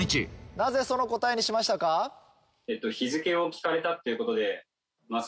なぜその答えにしましたか？